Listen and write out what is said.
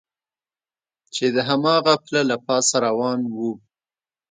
چې د هماغه پله له پاسه روان و.